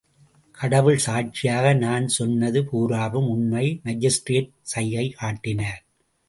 கடவுள் சாட்சியாக நான் சொன்னது பூராவும் உண்மை...! மாஜிஸ்திரேட் சைகை காட்டினார்.